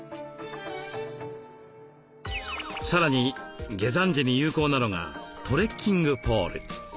さらに下山時に有効なのがトレッキングポール。